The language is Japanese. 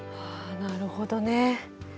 あなるほどね。